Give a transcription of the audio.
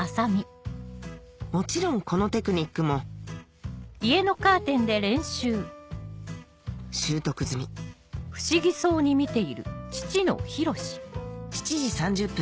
もちろんこのテクニックも習得済み７時３０分